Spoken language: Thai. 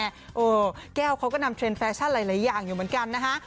แก้วเขาก็นำเทรนดแฟชั่นหลายอย่างอยู่เหมือนกันนะฮะ